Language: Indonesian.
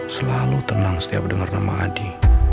selalu tenang setiap dengar nama adi